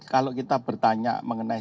kalau kita bertanya mengenai